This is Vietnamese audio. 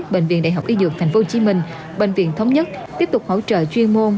bệnh viện đại học y dược tp hcm bệnh viện thống nhất tiếp tục hỗ trợ chuyên môn